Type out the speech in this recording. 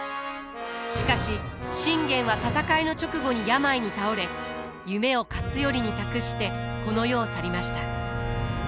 しかし信玄は戦いの直後に病に倒れ夢を勝頼に託してこの世を去りました。